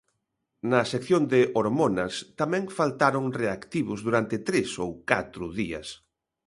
Na sección de Hormonas tamén faltaron reactivos durante tres ou catro días.